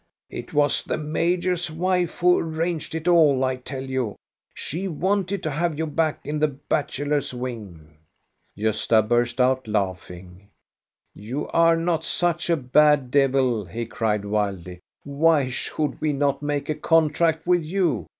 It was the major's wife who arranged it all, I tell you. She wanted to have you back in the bachelors' wing." Gosta burst out laughing. "You are not such a bad devil," he cried wildly. "Why should we not make a contract with you?